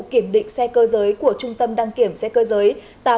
kiểm định xe cơ giới của trung tâm đăng kiểm xe cơ giới